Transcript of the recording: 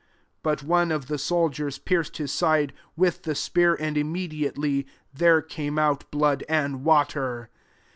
34 but one of the soldiers pierc ed his side with a spear, and, immediatelj there came out blood and water.